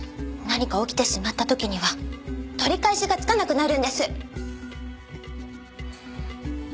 何か起きてしまった時には取り返しがつかなくなるんです！